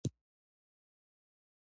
د اصلاح شویو تخمونو ګټه څه ده؟